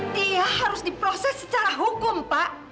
dia harus diproses secara hukum pak